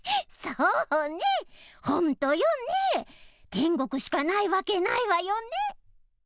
てんごくしかないわけないわよね！